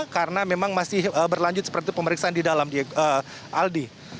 karena memang masih berlanjut seperti pemeriksaan di dalam aldi